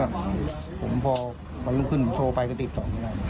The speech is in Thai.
แล้วก็ผมพอวันรุ่งขึ้นหนูโทรไปก็ติดต่อไม่ได้อืม